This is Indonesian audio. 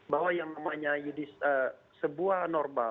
bahwa yang namanya sebuah norma